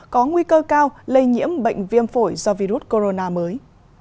có nguy cơ cao lây nhiễm bệnh viêm phổi do virus corona mới